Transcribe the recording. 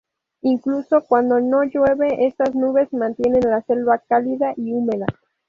Incluso cuando no llueve, estas nubes mantienen la selva cálida y húmeda.